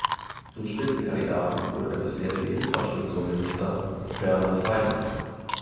Zum Spitzenkandidaten wurde der bisherige Infrastrukturminister Werner Faymann.